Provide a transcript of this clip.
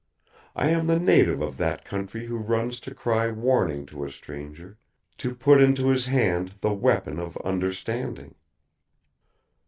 I am the native of that country who runs to cry warning to a stranger; to put into his hand the weapon of understanding."